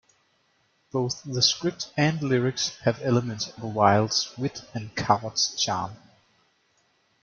Both the script and lyrics have elements of Wilde's wit and Coward's charm.